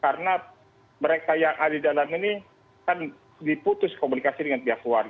karena mereka yang ada di dalam ini kan diputus komunikasi dengan pihak warga